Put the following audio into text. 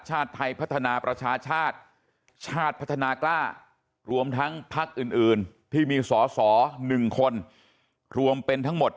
ชาติไทยพัฒนาประชาชาติชาติพัฒนากล้ารวมทั้งพักอื่นที่มีสอสอ๑คนรวมเป็นทั้งหมด